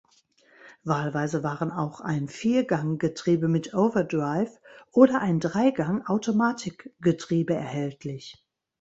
Wahlweise waren auch ein Vierganggetriebe mit Overdrive oder ein Dreigang-Automatikgetriebe erhältlich.